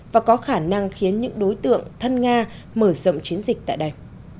và có khả năng khiến những đối tượng thân nga mở rộng chiến dịch tại đây